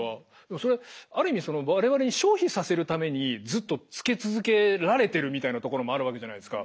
それある意味我々に消費させるためにずっとつけ続けられてるみたいなところもあるわけじゃないですか。